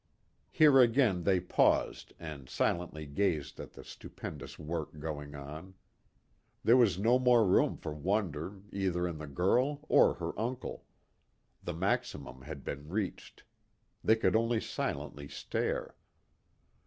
Here again they paused and silently gazed at the stupendous work going on. There was no more room for wonder either in the girl or her uncle. The maximum had been reached. They could only silently stare.